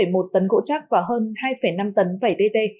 gồm gần hai một tấn gỗ chắc và hơn hai năm tấn vẩy tê tê